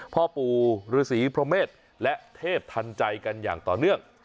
พ่อปู่ฤษีพระเมษและเทพทันใจกันอย่างต่อเนื่อง